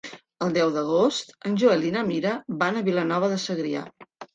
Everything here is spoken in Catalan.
El deu d'agost en Joel i na Mira van a Vilanova de Segrià.